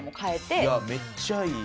いやめっちゃいい。